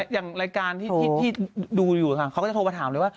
อย่างรายการที่ดูอยู่ค่ะเขาก็จะโทรมาถามเลยว่า